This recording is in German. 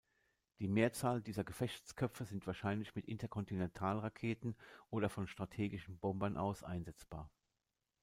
Die Mehrzahl dieser Gefechtsköpfe sind wahrscheinlich mit Interkontinentalraketen oder von strategischen Bombern aus einsetzbar.